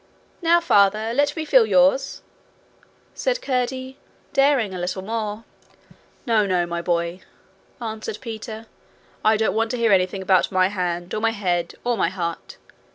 'Now, Father, let me feel yours,' said Curdie, daring a little more. 'No, no, my boy,' answered Peter. 'I don't want to hear anything about my hand or my head or my heart.